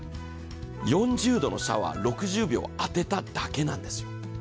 ４０度のシャワーを６０秒当てただけなんです。